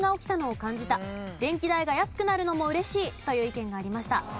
電気代が安くなるのも嬉しいという意見がありました。